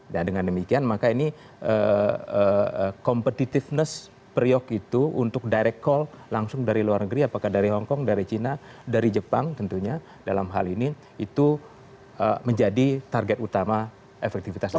dan dengan demikian maka ini competitiveness priok itu untuk direct call langsung dari luar negeri apakah dari hongkong dari cina dari jepang tentunya dalam hal ini itu menjadi target utama efektivitasnya